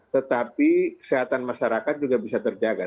tetapi kesehatan masyarakat juga bisa terjaga